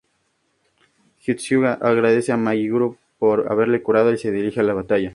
Hitsugaya agradece a Mayuri por haberlo curado y se dirige a la batalla.